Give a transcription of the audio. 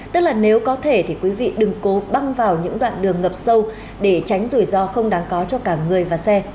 tức là nếu có thể thì quý vị đừng cố băng vào những đoạn đường ngập sâu để tránh rủi ro không đáng có cho cả người và xe